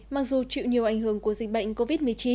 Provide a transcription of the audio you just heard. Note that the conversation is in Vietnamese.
mặc dù chịu nhiều ảnh hưởng của dịch bệnh covid một mươi chín